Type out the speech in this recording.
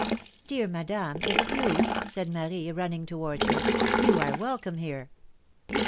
^^ ^^Dear Madame, is it you?^^ said Marie, running towards her. You are welcome here